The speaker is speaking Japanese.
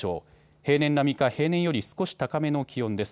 平年並みか平年より少し高めの気温です。